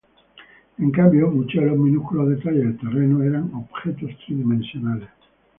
En cambio, muchos de los minúsculos detalles del terreno eran objetos tridimensionales.